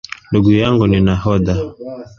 Ndugu yangu ni nahodha